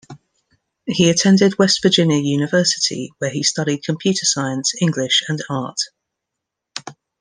He attended West Virginia University, where he studied computer science, English, and art.